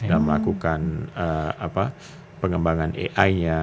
dan melakukan pengembangan ai nya